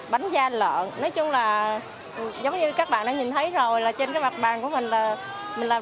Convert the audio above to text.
bánh da lợn nói chung là giống như các bạn đã nhìn thấy rồi là trên cái mặt bàn của mình là mình làm